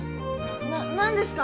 な何ですか？